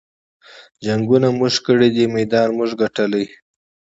جنګــــونه مونږه کـــــــــړي دي مېدان مونږه ګټلے